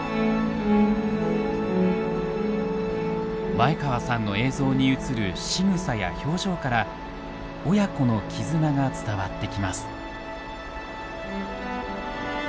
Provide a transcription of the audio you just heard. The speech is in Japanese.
前川さんの映像に映るしぐさや表情から親子の絆が伝わってきます。